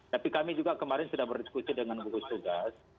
tapi kami juga kemarin sudah berdiskusi dengan gugus tugas